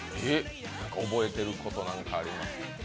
覚えていること何かあります？